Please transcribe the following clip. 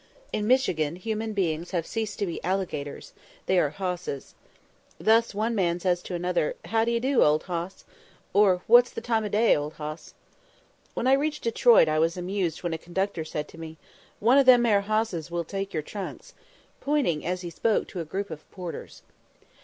In Michigan, human beings have ceased to be "alligators" they are "hosses." Thus one man says to another, "How do you do, old hoss?" or, "What's the time o' day, old hoss?" When I reached Detroit I was amused when a conductor said to me, "One o' them 'ere hosses will take your trunks," pointing as he spoke to a group of porters.